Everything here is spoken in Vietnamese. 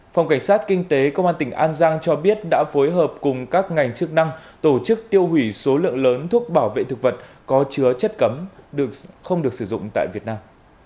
phòng cảnh sát kinh tế công an tỉnh an giang cho biết đã phối hợp cùng các ngành chức năng tổ chức tiêu hủy số lượng lớn thuốc bảo vệ thực vật có chứa chất cấm không được sử dụng tại việt nam